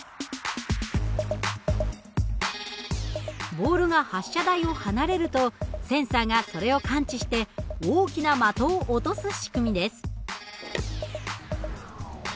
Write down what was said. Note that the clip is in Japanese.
ボールが発射台を離れるとセンサーがそれを感知して大きな的を落とす仕組みです。